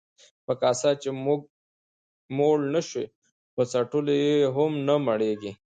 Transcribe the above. ـ په کاسه چې موړ نشوې، په څټلو يې هم نه مړېږې.